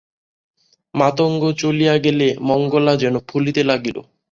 মাতঙ্গ চলিয়া গেলে মঙ্গলা যেন ফুলিতে লাগিল।